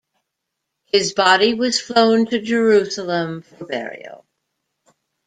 His body was flown to Jerusalem for burial.